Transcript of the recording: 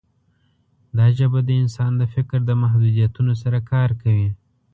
دا ژبه د انسان د فکر د محدودیتونو سره کار کوي.